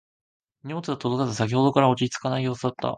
荷物が届かず先ほどから落ち着かない様子だった